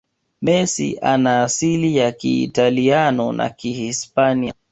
Messi ana asili ya kiitaliano na kihispania